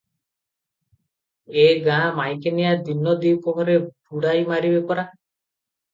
ଏ ଗାଁ ମାଈକିନିଆଏ ଦିନ ଦିପହରେ ବୁଡ଼ାଇମାରିବେ ପରା ।